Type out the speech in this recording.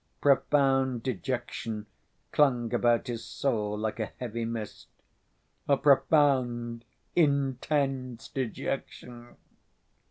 Profound dejection clung about his soul like a heavy mist. A profound, intense dejection!